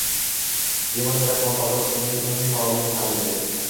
Limon yurak-qon tizimining umumiy faolligini ta’minlaydi.